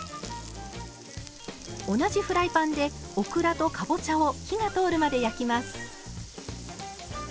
同じフライパンでオクラとかぼちゃを火が通るまで焼きます。